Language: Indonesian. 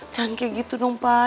jangan kayak gitu dong pak